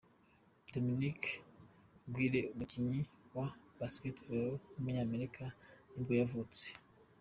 Dominic McGuire, umukinnyi wa basketball w’umunyamerika nibwo yavutse.